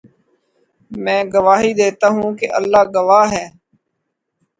میں گواہی دیتا ہوں کہ اللہ گواہ ہے